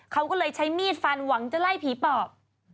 เขาก็เลยใช้มีดฟันหวังจะไล่ผีปอบ